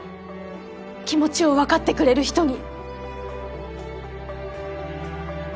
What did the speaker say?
気持ちを分かってくれる人に。